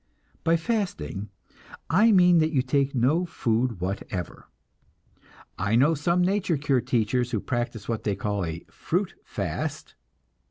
By fasting I mean that you take no food whatever. I know some nature cure teachers who practice what they call a "fruit fast."